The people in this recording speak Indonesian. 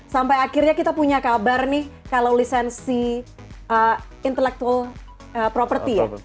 sampai akhirnya kita punya kabar nih kalau lisensi intellectual property ya